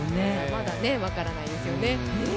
まだ分からないですよね。